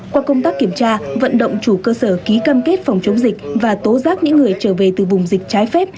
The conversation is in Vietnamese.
qua công tác kiểm tra vận động chủ cơ sở ký cam kết phòng chống dịch và tố giác những người trở về từ vùng dịch trái phép